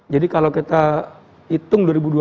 jadi kalau kita hitung dua ribu dua puluh dua